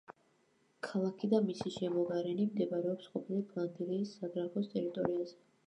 ქალაქი და მისი შემოგარენი მდებარეობს ყოფილი ფლანდრიის საგრაფოს ტერიტორიაზე.